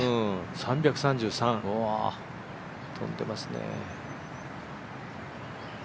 ３３３、飛んでますね。